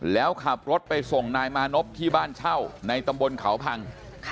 แล้วขับรถไปส่งนายมานพที่บ้านเช่าในตำบลเขาพัง